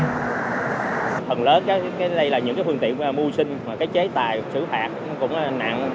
thần lớn cái này là những cái phương tiện mua sinh cái chế tài sử phạt cũng nặng